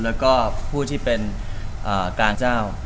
แล้วก็ผู้ที่เป็นการเจ้า